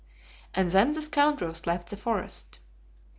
And then the scoundrels left the forest.